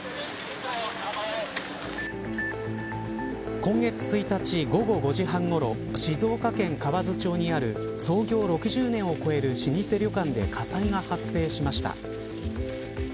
今月１日午後５時半ごろ静岡県河津町にある創業６０年を超える老舗旅館で火災が発生しました。